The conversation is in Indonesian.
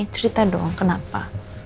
cerita dong kenapa